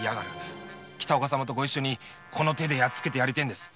北岡様と一緒にこの手でやっつけてやりてえんです。